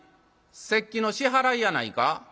「節季の支払いやないか」。